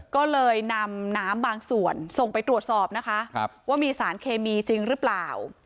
ก็เลยนำน้ำบางส่วนส่งไปตรวจสอบนะคะว่ามีสารเคมีจริงหรือเปล่า